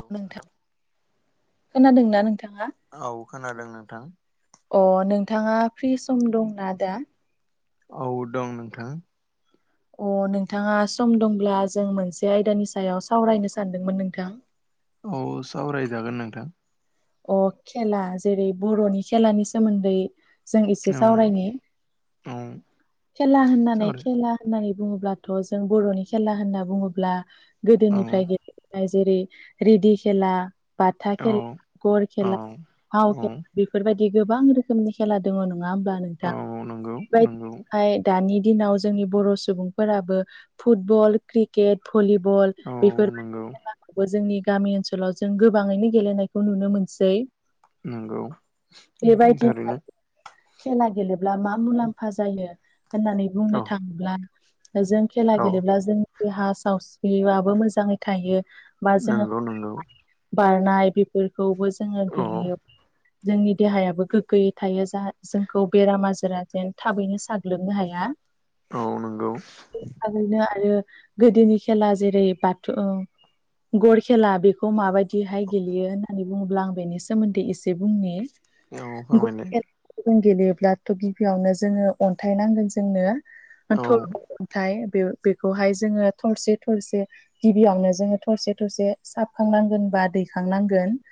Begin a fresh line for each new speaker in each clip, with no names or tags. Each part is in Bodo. औ नोंथां
खोनादोंना नोंथाङा?
औ खोनादों नोंथां।
अ नोंथाङा फ्रि सम दंना दा?
औ दं नोंथां।
अ नोंथाङा सम दंब्ला जों मोनसे आयदानि सायाव सावरायनो सानदोंमोन नोंथां।
औ सावरायजागोन नोंथां।
अ खेला जेरै बर'नि खेलानि सोमोन्दै जों एसे
औ
सावरायनि
औ
खेला होननानै
सावराय
खेला होननानै बुङोब्लाथ' जों बर'नि खेला होनना बुङोब्ला
औ
गोदोनिफ्राय गेले नाय जेरै रेदि खेला बाथा
औ
खेला गर खेला हाव
औ औ
खेला बेफोरबायदि गोबां रोखोमनि खेला दङ नङा होमब्ला नोंथां
औ नंगौ नंगौ
बेबायहाय दानि दिनाव जोंनि बर' सुबुंफोराबो फुटबल क्रिक केट भलिबल
औ नंगौ
बेफोरबायदि खेलाखौबो जोंनि गामि ओनसोलाव जों गोबाङैनो गेलेनाय खौ नुनो मोनसै
नंगौ नोंथां
बेबायदि
थारैनो
[unintelligible] खेला गेलेब्ला मा मुलाम्फा जायो होननानै बुंनो
औ
थाङोब्ला जों खेला
औ
गेलेब्ला जोंनि देहा सावस्रिआबो मोजाङै थायो। बा जोङो
नंगौ नंगौ
बारनाय बेफोरखौबो जोङो
औ
गेलेयो। जोंनि देहायाबो गोग्गोयै थायो जाहा जोंखौ बेराम आजारा जेन थाबैनो साग्लोबनो हाया।
औ नंगौ।
थारैनो आरो गोदोनि खेला जेरै बाथ' गर खेला बेखौ माबायदिहाय गेलेयो होनना नानै बुङोब्ला आं बेनि सोमोन्दै एसे बुंनि
औ
[unintelligible]
फोरमायलाय
बेखौ जों गेलेयोब्लाथ' गिबियावनो जोङो अन्थाइ नांगोन जोंनो।
औ
[unintelligible] अन्थाय बे बेखौहाय जोङो थरसे थरसे गिबियावनो जोङो थरसे थरसे साबखांनांगोन बा दैखांनांगोन।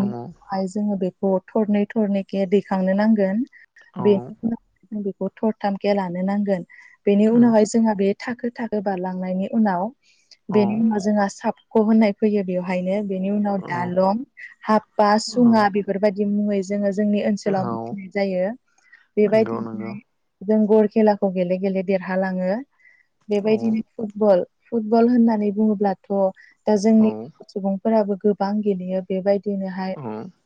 औ
उनावहाय जोङो बेखौ थरनै थरनैखे दैखांनो नांगोन।
औ
बे [inaudible] थरथामखे लानो नांगोन बेनि बेनि उनावहाय जो जोंहा बे थाखो थाखो बारलांनायनि उनाव
औ
बेनि उनाव जोंहा साबख' होननाय फैयो बेवहायनो बेनि उनाव
औ
दालं हापा सुङा बेफोरबायदि मुङै जोङो जोंनि ओनसोलाव
औ
मिथिनाय जायो
नंगौ
बेबायदि
नंगौ
जों गर खेलाखौ गेले गेले देरहालाङो
औ
बेबायदिनो फुटबल फुटबल होननानै बुङोब्लाथ' दा जोंनि
औ
सुबुं फोराबो गोबां गेलेयो बेबायदिनोहाय
औ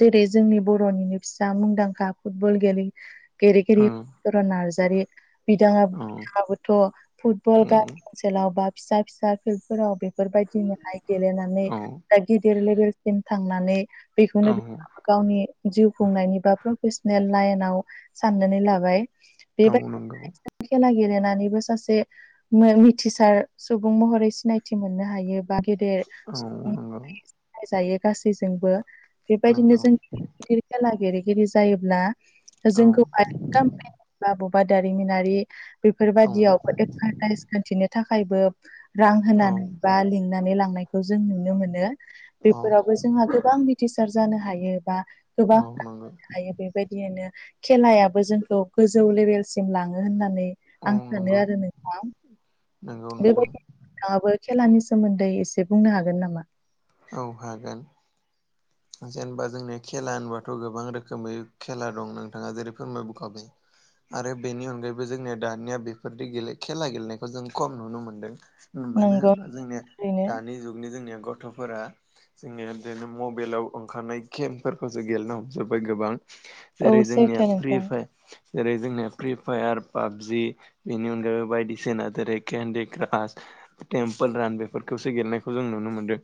जेरै जोंनि बर'निनो फिसा मुंदांखा फुटबल गेले- गेरेगिरि सरन नार्जारि बिदाङा- बिथाङाबोथ' फुटबल
औ
गा
औ
ओनसोलाव बा फिसा फिसा फिल्डफोराव बेफोरबायदिनोहाय गेलेनानै
औ
दा गिदिर लेभेल सिम थांनानै
औ
बेखौनो बिथाङा गावनि जिउ खुंनायनि बा प्रफेसनेल लाइनाव साननानै लाबाय।
औ
बेबायदि
नोंगौ।
खेला गेलेनानैबो सासे मो मिथिसार सुबुं महरै सिनायथि मोननो हायो बा गेदेर
[unintelligible]
नाय‌ जायो गासैजोंबो बेबायदिनो
नंगौ
जों गि खेला गेलेगिरि जायोब्ला
औ
जोंखौ [unintelligible] बा बबा दारिमिनारि
औ
बेफोरबायदियाव एडभारटाइस खिन्थिनो थाखायबो रां
औ
होनानै बा लिंनानै लांनायखौ जों नुनो मोनो। बेफोरावबो जोंहा गोबां मिथिसार जानो हायो बा गोबां
औ नंगौ
[inaudible] हायो बे बायदियैनो खेलायाबो जोंखौ गोजौ लेबेलसिम लाङो होननानै
औ
आं सानो
नंगौ
आरो नों
नंगौ नोंथां
बेबादि थाङाबो खेलानि सोमोन्दै एसे बुंनो हागोन नामा?
औ हागोन। जेनेबा जोंनि खेला होनबाथ' गोबां रोखोमै खेला दं नोंथाङा जेरै फोरमायबोखाबाय। आरो बेनि अनगायैबो जोंनिया दानिया बेफोरदि गेले खेला गेलेनायखौ जों खम नुनो मोनदों। ओ मानो
नंगौ
होनब्ला जोंनिया
ओरैनो
दानि जुगनि जोंनिया गथ'फोरा जोंनि बेनो मब बेलाव ओंखारनाय गेमफोरखौसो गेलेनो हमजोब्बाय गोबां
औ
जेरै जोंनिया
सैथो
फ्रि
नोंथां
फाय जेरै जोंनिया फ्रि फायार पाबजि बेनि अनगायैबो बायदिसिना जेरै केन्डि क्रास टेम्पोल रान बेफोरखौसो गेलनायखौ जों नुनो मोनदों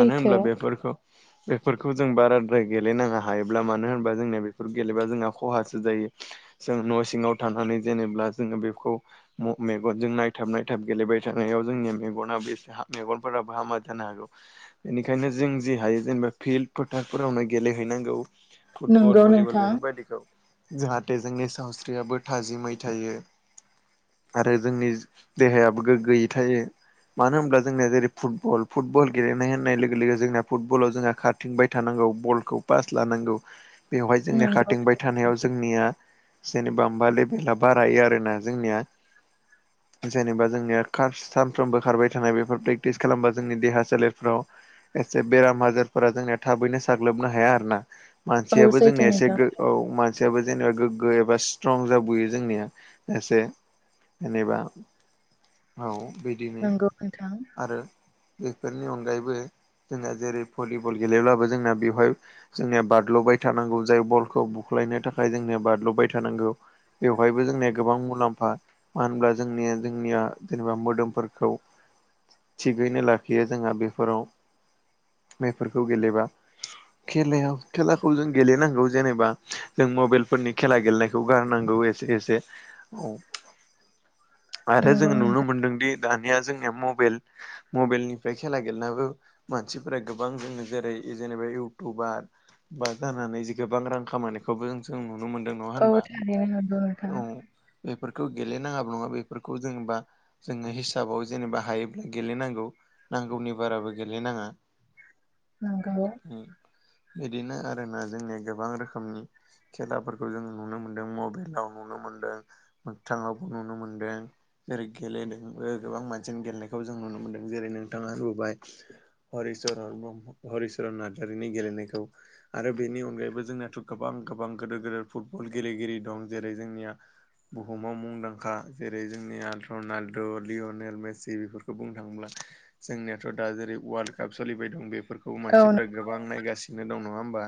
मानो होनब्ला बेफोरखौ बेफोरखौ जों बाराद्राय गेलेनाङा हायोब्ला मानो होनबा जोंनिया बेफोर गेलेबा जोंहा खहासो जायो। जों न' सिङाव थानानै जेनेबा जोङो बेखौ म- मेगनजों नायथाब-नायथाब गेलेबाय थानायाव जोंनिया मेगना बेसे हा मेगनफोराबो हामा जानो हागौ। बेनिखायनो जों जि हायो जेनबा फिल्ड फोथारफोरावनो गेलेहैनांगौ फुटबल
नंगौ
भलिबल
नोंथां
बेफोरबायदिखौ। जाहाथे जोंनि सावस्रियाबो थाजिमै थायो। आरो जोंनि देहायाबो गोग्गोयै थायो। मानो होनब्ला जोंनिया जेरै फुटबल-फुटबल गेलेनाय होननाय लोगो-लोगो जोंनिया फुत बलाव जोंहा खारथिंबाय थानांगौ बलखौ पास लानांगौ बेवहाय जोंनिया
नंगौ
खारथिंबाय थानायाव जोंनिया जेनेबा बा लेबेला बारायो आरोना जोंनिया
[inaudible]
जेनेबा जोंनिया कास सानफ्रोमबो खारबाय थानाय बेफोर प्रेक्टिस खालामबा जोंनि देहा सोलेरफ्राव एसे बेराम आजारफोरा जोंनिया थाबैनो साग्लोबनो हाया आरो ना
औ
मानसियाबो
सैथो
जोंनिया एसे
नोंथां
गो औ मानसियाबो जेने गोग्गो एबा स्ट्रं जाबोयो जोंनिया एसे। जेनेबा औ बैदिनो
नंगौ नोंथां
आरो बेफोरनि अनगायैबो जोंना जेरै भलिबल गेलेब्लाबो जोंना बेवहाय जोंनिया बादल'बाय थानांगौ जायो बलखौ बुख्लायनो थाखाय जोंनिया बादल'बाय थानांगौ। बेवहायबो जोंनिया गोबां मुलाम्फा। मानो ओनब्ला जोंनिया जोंनिया जेनेबा मोदोमफोरखौ थिगैनो लाखियो जोंहा बेफोराव। मेफोरखौ गेलेबा। खेलायाव खेलाखौ जों गेलेनांगौ जेनेबा जों मबाइल फोरनि खेला गेलेनायखौ गारनांगौ ए एसे औ आरो जों
नंगौ
नुनो
नोंथां
मोनदों दि दानिया जोंनिया मबेल मबेलनिफ्राय खेला गेलेनाबो मानसि फ्राय गोबां जोङो जेरै जेनेबा इउटुबार बा जानानै जि गोबां रां खामायनाय खौबो जों-जों नुनो मोनदों नङा
औ
होनबा
थारैनो नंगौ नोंथां
औ। बेफोरखौ गेलेेनाङाबो नङा बेफोरखौ जोंबा जोङो हिसाबाव जेनेबा हायोब्ला गेलेनांगौ नांगौनि बाराबो गेलेनाङा।
नोंगौ।
उम इदिनो आरोना जोंनिया गोबां रोखोमनि खेलाफोरखौ जोङो नुनो मोन्दों मबेलाव नुनो मोनदों मोगथाङावबो नुनो मोनदों। जेरै गेलेदोंबो गोबां मानसियानो गेलेनायखौ जों नुनो मोनदों जेरै नोंथाङा नुबाय हरिचरन ब्रह्म हरिचरन नार्जारिनि गेलेनायखौ। आरो बेनि अनगायैबो जोंनाथ' गोबां गोबां गोदोर गोदोर फुटबल गेलेगिरि दं जेरै जोंनिया बुहुमाव मुंदांखा जेरै जोंनिया रनाल्द' लियनेल मेसि बेफोरखौ बुंनो थांब्ला जोंनियाथ' दा जेरै वाल्ड काप सोलिबाय दं बेफोरखौ
औ
मानसिफोरा गोबां नायगासिनो दं नङा होमबा?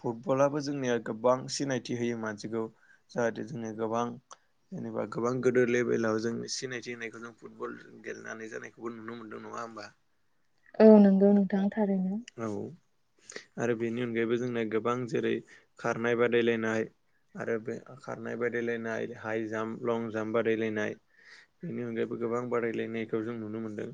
फुटबलाबो जोंनिया गोबां सिनायथि होयो मानसिखौ जाहाथे जोंनि गोबां जेनेबा गोबां गोदो लेभेलाव जों सिनायथि होनायखौ जों फुटबल गेलेनानै जानायखौबो नुनो मोन्दों नङा होमबा?
औ नंगौ नोंथां थारैनो।
औ आरो बेनि अनगायैबो जोंनिया गोबां जेरै खारनाय बादायलायनाय आरो बे खारनाय बादायलायनाय हाइ जाम्प लं जाम्प बादायलायनाय बेनि अनगायैबो गोबां बादायलायनायखौ जों नुनो मोनदों।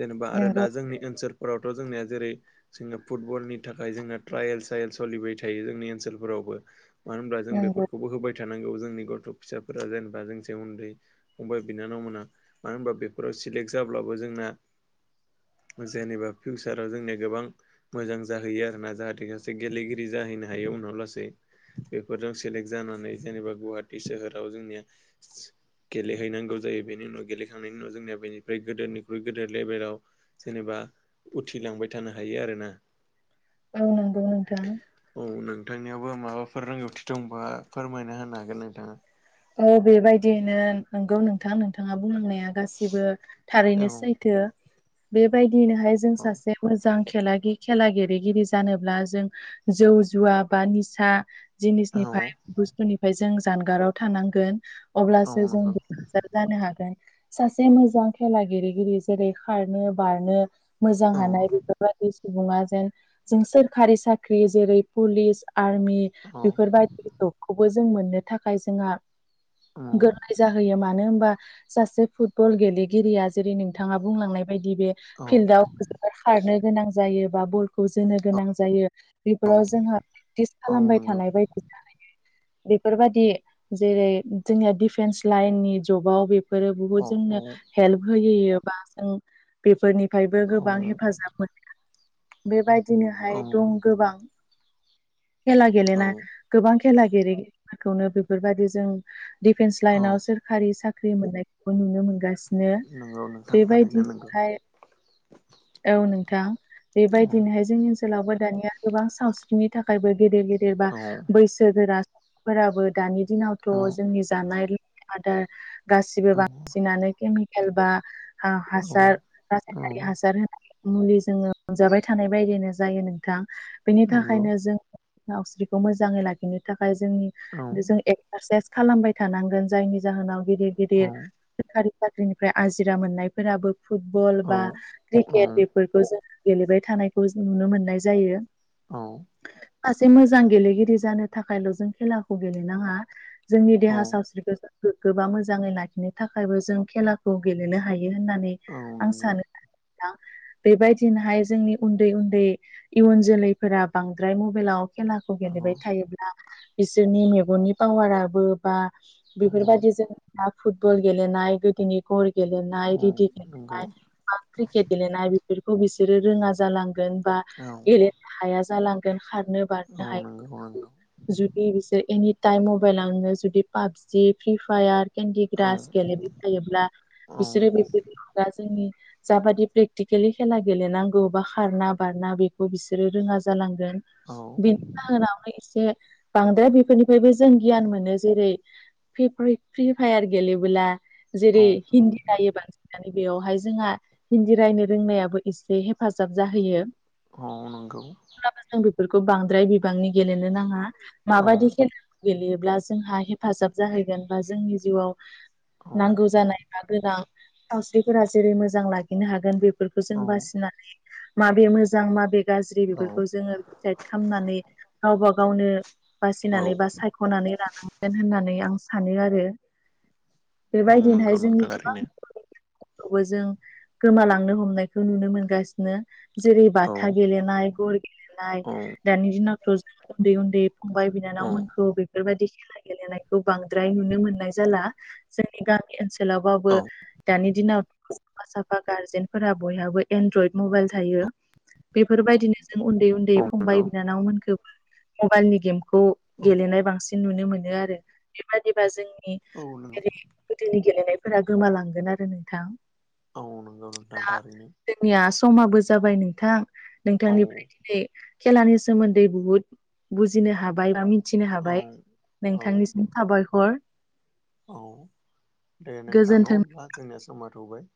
जेनेबा आरो दा
नंगौ
जोंनि ओनसोलफोरावथ' जोंनिया जेरै जोंना फुटबलनि थाखाय जोंना ट्रायेल साएल सलिबाय थायो जोंनि ओनसोलफोरावबो। मानो होनब्ला जों
नंगौ
बेफोरखौबो होबाय थानांगौ जोंनि गथ' फिसाफोरा जेनेबा जोंनिसाय उन्दै फंबाय बिनानाव मोना मानो होनबा बेफोराव सिलेक्ट जाब्लाबो जोंना जेनेबा फिउसाराव जोंनिया गोबां मोजां जाहैयो आरोना जाहाथे खासे गेलेगिरि जाहैनो हायो उनाव लासै। बेफोरजों सेलेक्ट जानानै जेनेबा गुवाहाटि सोहोराव जोंनिया गेलेहैनांगौ जायो बेनि उनाव गेलेखांनायनि उनाव जोंनिया बैनिफ्राय गोदोरनिख्रुइ गोदोर लेभेलाव जेनेबा उथिलांबाय थानो हायो आरोना।
औ नोंगौ नोंथां।
औ नोंथांनियावबो माबाफोर रोंगौथि दंबा फोरमायना होनो हागोन नोंथाङा।
ओ बेबायदियैनो नंगौ नोंथां नोंथाङा बुंलांनाया गासिबो थारैनो
हागोन
सैथो बेबायदिनोहाय जों सासे मोजां खेला गि खेला गेलेगिरि जानोब्ला जों जौ जुवा बा निसा जिनिसनिफाय बुस्थुनिफाय जों जानगाराव थानांगोन अब्लासो जों
नोंथाङा
बि सार जानो हागोन सासे मोजां खेला गेलेगिरि जेरै खारनो बारनो मोजां हानाय
औ
बेफोरबायदिसि सुबुङा जेन जों सोरखारि साख्रि जेरै पुलिस आर्मि बेफोरबा बे जबखौबो जों मोननो थाखाय जोंहा
औ
गोरलै जाहैयो मानो होमबा? सासे फुटबल गेलेगिरिया जेरै नोंथाङा बुंलांनाय बायदि बे
औ
फिल्डआव खारनो गोनां जायो बा बलखौ जोनो गोनां जायो। बेफोराव जोंहा प्रेक्टिस
औ
खालामबाय
नंगौ
थानाय बायदि जाहैयो बेफोरबादि जेरै जोंनिया दिफेन्स लाइननि जबाव बेफोरो बुहुत
औ औ
जोंनो हेल्प होयो बा जों बेफोरनिफायबो गोबां
औ
हेफाजाब मोनो बेबाय
औ
बिनोहाय दं गोबां खेला
औ
गेलेना
औ नंगौ औ
गोबां खेला गेरेगि फोरखौनो बेफोरबायदि जों डिफेन्स
औ
लाइनाव सोर खारि साख्रि मोननायखौबो नुनो मोनगासिनो
नंगौ नोंथां थारैनो नंगौ
बेबायदिहाय औ नोंथां
औ
बेबायदिनोहाय जोंनि ओनसो सोलावबो दानिया गोबां सावस्रिनि थाखायबो गेदेर गेदेर बा
औ
बैसोगोरा [inaudible] फोराबो दानि दिनावथ'
औ
जोंनि जानाय लोंनाय आदार गासिबो
औ
बांसिनानो केमि केल बा
औ
हा-हासार रासायनारि हासार होना मुलि जोङो मोनजाबाय थानाय बायदिनो जायो नोंथां बेनि
नंगौ
थाखायनो जों सावस्रिखौ मोजाङै लाखिनो थाखाय जोंनि
औ
जों एक्सारसाइस खालामबाय थानांगोन जायनि जाहोनाव गिदिर
औ
गिदिर सोरखारि साख्रिनिफ्राय आजिरा मोननायफोराबो फुटबल
औ
बा
औ
क्रिकेट बेफोरखौ जों गेलेबाय थानायखौ जों नुनो मोननाय जायो।
औ
सासे मोजां गेलेगिरि जानो थाखायल जों खेलाखौ गेले नाङा जोंनि
औ
देहा सावस्रिफोर गोग्गो बा मोजाङै लाखिनो थाखायबो जों खेलाखौ गेलेनो हायो होननानै
औ
आं
नंगौ
सानो नोंथां बेबायदिनोहाय जोंनि उन्दै उन्दै इयुन जोलैफोरा बांद्राय मबेलाव खेलाखौ
औ
गेलेबाय थायोब्ला बिसोरनि मेगननि पावाराबो बा
औ
बेफोरबायदि जों दा फुटबल गेलेनाय गोदोनि घरि गेलेनाय
औ
रिदि
नंगौ
गेलेनाय बा क्रिकेट गेलेनाय बि फोरखौ बिसोरो रोङा जालांगोन बा
औ
गेलेनो हाया जालांगोन खारनो
औ नोंगौ नोंगौ
बे बिसोर एनि टाइम मबाइलावनो जुदि पाबजि फ्रि फायार केन्दि
औ
ग्रास गेलेबाय थायोब्ला बिसोरो
औ
बेबायदि‌ दा जोंनि जाबादि प्रेक्टिकेलि खेला गेलेनांगौ बा खारना बारना बेखौ बिसोरो रोङा जालांगोन।
औ
बेनि जाहोनावनो एसे बांद्राय बेफोरनिफ्रायबो जों गियान मोनो जेरै फ्रि-फ्रिफायार गेलेबोला
औ
जेरै हिन्दी रायोबा बेयावहाय जोंहा हिन्दी रायनो रोंनायाबो एसे हेफाजाब जाहैयो
औ नंगौ
जों बेफोरखौ बांद्राय बिबांनि गेलेनो नाङा
औ
माबादि खेला गेलेयोब्ला जोंहा हेफाजाब जाहैगोन बा जोंनि जिउआव नांगौ जानाय गोनां सावस्रिफोरा जेरै मोजां लाखिनो हागोन बेफोरखौ जों
औ
बासिनानै माबे मोजां माबे गाज्रि बेफोरखौ जोंङो दिसाइट खामनानै गावबा गावनो
औ
बासिनानै बा सायख'नानै लानांगोन होननानै आं सानो आरो।
औ
बेबायदिनो हाय
नंगौ
जोंनि
नोंथां
गोबां
थारैनो
फोरखौबो जों गोमालांनो हमनायखौ नुनो मोनगासिनो। जेरै
औ
बाथा गेलेनाय गर गेलेनाय
औ
दानि दिनावथ' जों उन्दै उन्दै फंबाय
औ
बिनानावमोनखौ बेफोरबायाददि खेला गेलेनायखौ बांद्राय नुनो मोननाय जाला। जोंनि गामि ओनसोलावबाबो दानि दिनाव साफा साफा गार्जेनफोरा बयहाबो एनड्रइद मबाइल थायो बेफोरबायदिनो जों उन्दै उन्दै
औ औ नंगौ
फंबाय बिनानावमोनखौबो मबाइलनि गेमखौ
औ
गेलेनाय बांसिन नुनो मोनो आरो बेबादिबा जोंनि
औ नंगौ
गोदोनि गेलेनायफोरा गोमालांगोन आरो नोंथां।
औ नंगौ नोंथां
दा
थारैनो।
जोंनिया समाबो जाबाय नोंथां
औ
नोंथांनिफ्राय दिनै खेलानि सोमोन्दै बुहुद बुजिनो हाबाय बा मिथिनो
औ
हाबाय
औ
नोंथांनिसिम साबायख'र
औ दे नोंथां न
गोजोन्थों
होमब्ला जोंनिया समथ'बाय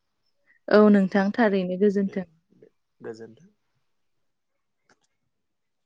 औ नोंथां थारैनो।
दे
गोजोन्थों
दे गोजोन्थों।